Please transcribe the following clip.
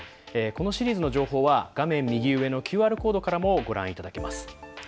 このシリーズの情報は画面右上のＱＲコードからもご覧いただけます。